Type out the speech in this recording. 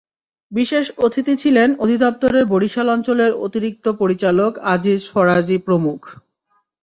বিশেষ অতিথি ছিলেন অধিদপ্তরের বরিশাল অঞ্চলের অতিরিক্ত পরিচালক আজিজ ফরাজি প্রমুখ।